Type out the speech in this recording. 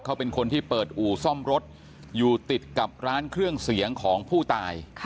เขาเป็นคนที่เปิดอู่ซ่อมรถอยู่ติดกับร้านเครื่องเสียงของผู้ตาย